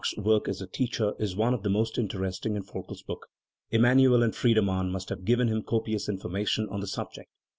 The chapter on Bach's work as a teacher is one of the most interesting in ForkePs book. Emmanuel and Friede mann must have given him copious information on the subject.